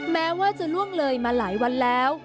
แม้ว่าจะล่วงเลยมาหลายวันแล้ว